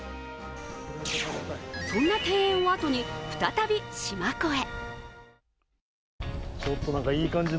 そんな庭園を後に、再び四万湖へ。